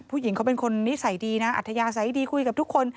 ผู้หญิงเขาเป็นคนนิสัยดีนะอัธยาศัยดีคุยกับทุกคน